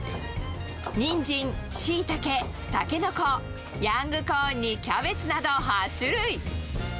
ニンジン、シイタケ、タケノコ、ヤングコーンにキャベツなど８種類。